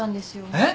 えっ？